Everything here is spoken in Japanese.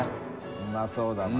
うまそうだな。